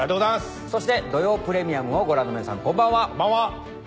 そして『土曜プレミアム』をご覧の皆さんこんばんは。